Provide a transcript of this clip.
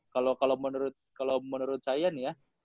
kalo menurut saya ini ya